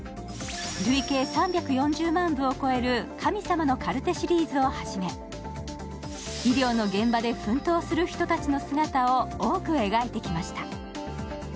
累計３４０万部を超える「神様のカルテ」シリーズを始め医療の現場で奮闘する人たちの姿を多く描いてきました。